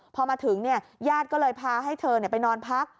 พอมาถึงญาติก็เลยพาให้เธอไปนอนพัก